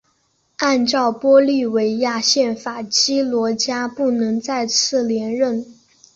按照玻利维亚宪法基罗加不能再次连任。